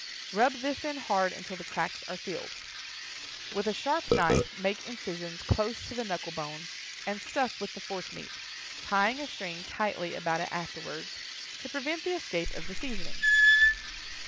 Rub this in hard until the cracks are filled. With a sharp knife make incisions close to the knuckle bone, and stuff with the force meat, tying a string tightly about it afterward, to prevent the escape of the seasoning.